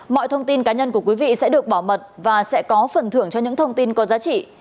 mọi thông tin cá nhân của quý vị sẽ được bảo mật và sẽ có phần thưởng cho những thông tin có giá trị